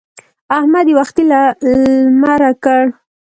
احمد يې وختي له لمره کړ.